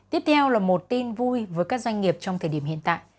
tiếp theo là một tin vui với các doanh nghiệp trong thời điểm hiện tại